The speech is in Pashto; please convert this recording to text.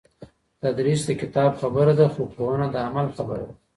تدریس د کتاب خبره ده خو پوهنه د عمل خبره ده.